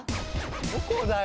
どこだよ